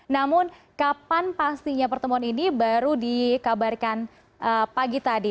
namun kapan pastinya pertemuan ini baru dikabarkan pagi tadi